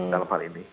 dalam hal ini